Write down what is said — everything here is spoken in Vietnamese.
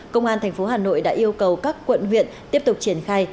công an tp hà nội đã yêu cầu các quận huyện tiếp tục triển khai